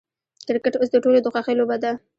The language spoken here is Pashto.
کرکټ اوس د ټولو د خوښې لوبه ده.